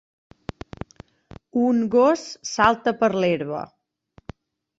un gos salta per l'herba.